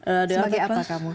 sebagai apa kamu